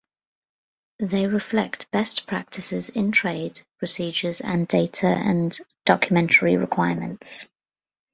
They reflect best practices in trade procedures and data and documentary requirements.